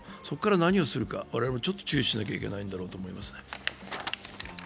そこから何をするか、我々もちょっと注意しなきゃいけないと思います。